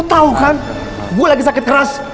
tau kan gue lagi sakit keras